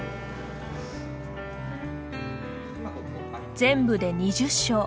全部で２０床。